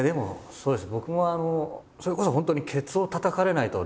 そうです。